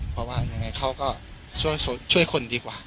เพราะว่ายังไงเขาก็ช่วยคนดีกว่า